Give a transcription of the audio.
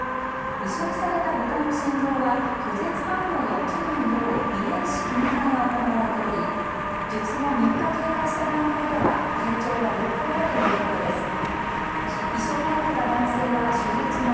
移植された豚の心臓は拒絶反応が起きないよう遺伝子組み換えが行われており術後３日、経過した段階では体調は良好だということです。